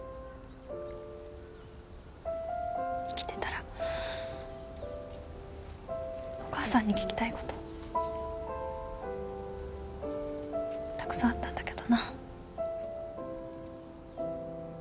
生きてたらお母さんに聞きたいことたくさんあったんだけどな。